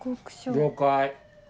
了解！